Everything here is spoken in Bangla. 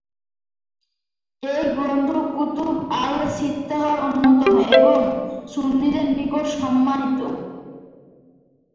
এই গ্রন্থ কুতুব আল-সিত্তাহর অন্যতম এবং সুন্নিদের নিকট সম্মানিত।